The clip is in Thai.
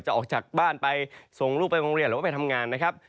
ออกจากบ้านไปส่งลูกไปโรงเรียนหรือว่าไปทำงานนะครับ